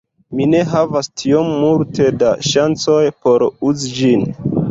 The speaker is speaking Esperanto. Mi ne havas tiom multe da ŝancoj por uzi ĝin.